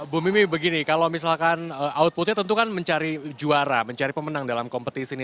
bu mimi begini kalau misalkan outputnya tentu kan mencari juara mencari pemenang dalam kompetisi ini